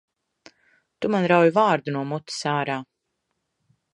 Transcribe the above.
Tu man rauj vārdu no mutes ārā!